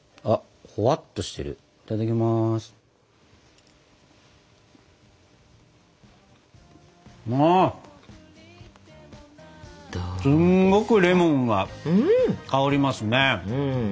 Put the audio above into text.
すんごくレモンが香りますね。